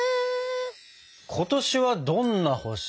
「今年はどんな星？」。